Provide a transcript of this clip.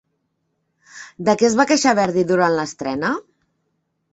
De què es va queixar Verdi durant l'estrena?